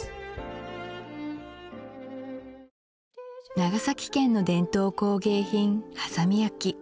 長崎県の伝統工芸品波佐見焼